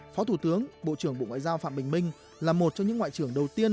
phó thủ tướng bộ trưởng bộ ngoại giao phạm bình minh là một trong những ngoại trưởng đầu tiên